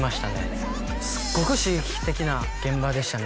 すっごく刺激的な現場でしたね